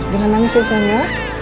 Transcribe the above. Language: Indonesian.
jangan nangis keisha ya